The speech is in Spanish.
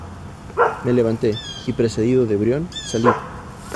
me levanté, y precedido de Brión , salí.